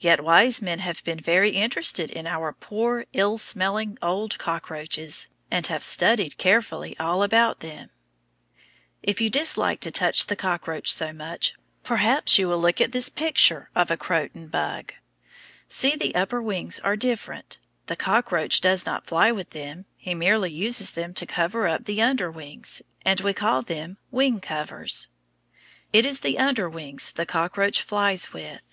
Yet wise men have been very much interested in our poor, ill smelling old cockroaches, and have studied carefully all about them. If you dislike to touch the cockroach so much, perhaps you will look at this picture of a croton bug. See, the upper wings are different; the cockroach does not fly with them, he merely uses them to cover up the under wings, and we call them wing covers. It is the under wings the cockroach flies with.